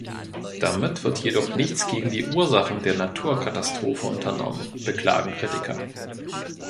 Damit wird jedoch nichts gegen die Ursachen der „Natur“- Katastrophe unternommen, beklagen Kritiker.